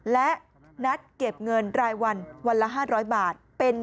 และนัดเก็บเงินรายวันวันละ๕๐๐บาท